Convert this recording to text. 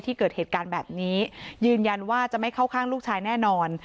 เกิดเหตุการณ์แบบนี้ยืนยันว่าจะไม่เข้าข้างลูกชายแน่นอน